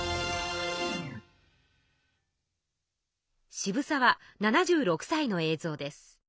渋沢７６さいの映像です。